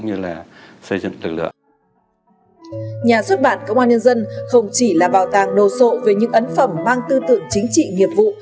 nhà xuất bản công an nhân dân không chỉ là bảo tàng đồ sộ về những ấn phẩm mang tư tưởng chính trị nghiệp vụ